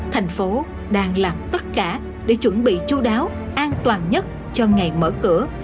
thành phố đang làm tất cả để chuẩn bị chú đáo an toàn nhất cho ngày mở cửa